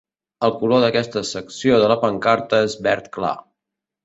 El color d'aquesta secció de la pancarta és verd clar.